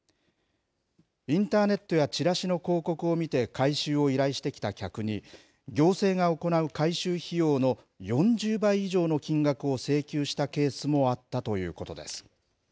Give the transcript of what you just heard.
インターネットやチラシの広告を見て回収を依頼してきた客に行政が行う回収費用の４０倍以上の金額を請求したケースもあったということです。